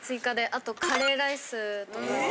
あとカレーライスとかにも。